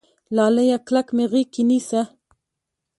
لاليه کلک مې غېږ کې نيسه